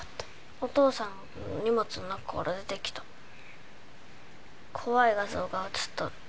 お父さんの荷物の中から出てきた怖い画像が写っとる